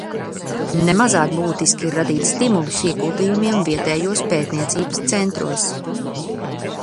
Ne mazāk būtiski ir radīt stimulus ieguldījumiem vietējos pētniecības centros.